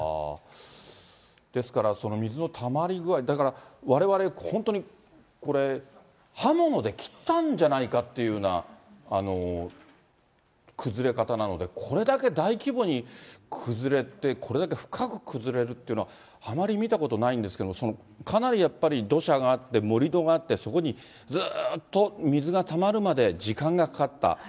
ですから、水のたまり具合、だから、われわれ、本当にこれ、刃物で切ったんじゃないかっていうような崩れ方なので、これだけ大規模に崩れて、これだけ深く崩れるっていうのは、あまり見たことがないんですけれども、かなりやっぱり土砂があって、盛り土があって、そこにずっと水がたまるまで時間がかかった。